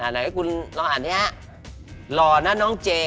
อาไหนให้คุณรออาหารดูนะฮะ